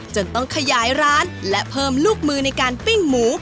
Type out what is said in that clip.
จนต้องขยายร้านและเพิ่มลูกมือในการปิ้งหมู